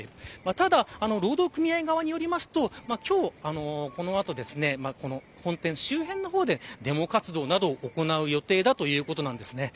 ただ、労働組合側によると今日、この後本店周辺の方でデモ活動などを行う予定だということです。